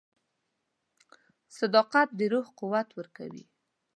• صداقت د روح قوت ورکوي.